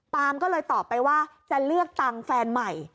ก็เลยตอบไปว่าจะเลือกตังค์แฟนใหม่